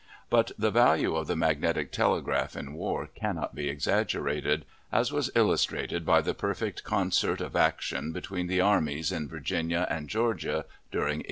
but the value of the magnetic telegraph in war cannot be exaggerated, as was illustrated by the perfect concert of action between the armies in Virginia and Georgia during 1864.